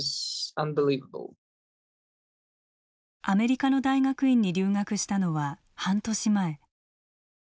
アメリカの大学院に留学したのは半年前。